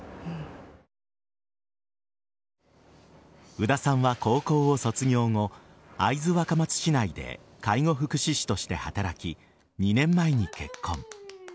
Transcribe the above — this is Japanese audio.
宇田さんは高校を卒業後会津若松市内で介護福祉士として働き２年前に結婚。